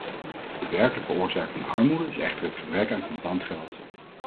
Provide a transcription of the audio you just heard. De werkelijke oorzaak van armoede is echter gebrek aan contant geld.